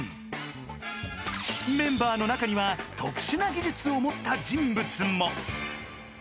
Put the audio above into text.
［メンバーの中には特殊な技術を持った人物も］